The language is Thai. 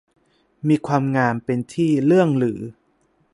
มีความงามเป็นที่เลื่องลือ